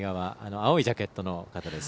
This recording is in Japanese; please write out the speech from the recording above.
青いジャケットの方です。